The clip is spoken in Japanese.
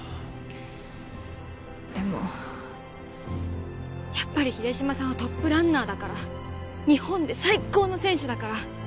でもやっぱり秀島さんはトップランナーだから日本で最高の選手だから